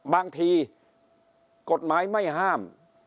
บางทีกฎหมายไม่ห้าม